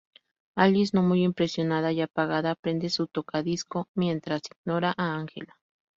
Alice no muy impresionada y apagada, prende su toca disco mientras ignora a Angela.